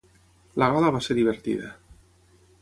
La gala va ser divertida.